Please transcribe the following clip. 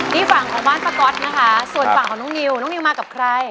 นี่ฝั่งของบ้านป้าก๊อตนะคะส่วนฝั่งของน้องนิวน้องนิวมากับใคร